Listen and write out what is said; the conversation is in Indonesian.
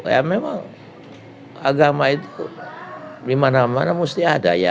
ya memang agama itu dimana mana mesti ada ya